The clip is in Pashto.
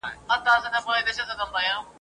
په زړه خواشیني د کابل ښکلي !.